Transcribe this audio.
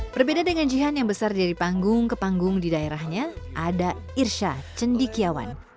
berbeda dengan jihan yang besar dari panggung ke panggung di daerahnya ada irsya cendikiawan